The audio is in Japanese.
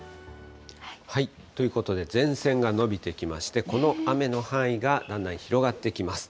ということで、前線が延びてきまして、この雨の範囲がだんだん広がってきます。